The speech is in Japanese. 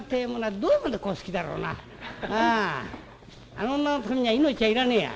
あの女のためなら命はいらねえや」。